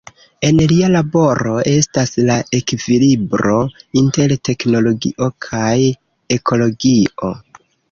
En lia laboro estas la ekvilibro inter teknologio kaj ekologio.